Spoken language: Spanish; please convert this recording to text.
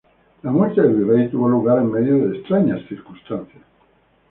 La muerte del virrey tuvo lugar en medio de extrañas circunstancias.